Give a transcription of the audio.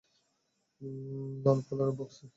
লাল কালারের বক্স।